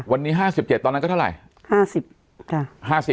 วันนี้๕๗ตอนนั้นก็เท่าไหร่